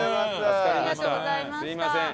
すみません。